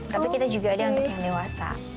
tapi kita juga ada untuk yang dewasa